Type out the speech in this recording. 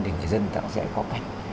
thì cái dân tạo sẽ có cách